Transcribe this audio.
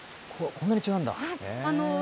こんなに違うんだ。